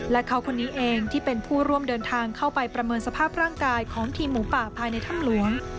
และเขาคนนี้เองที่เป็นผู้ร่วมเดินทางเข้าไปประเมินสภาพร่างกายของทีมหมูป่าภายในถ้ำหลวง